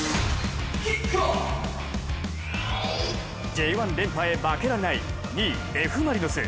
Ｊ１連覇へ、負けられない２位・Ｆ・マリノス。